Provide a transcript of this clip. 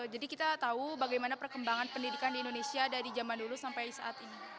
jadi kita tahu bagaimana perkembangan pendidikan di indonesia dari zaman dulu sampai saat ini